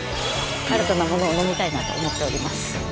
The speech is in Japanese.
新たなものを飲みたいなと思っております。